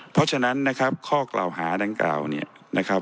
เพราะฉะนั้นนะครับข้อกล่าวหาดังกล่าวเนี่ยนะครับ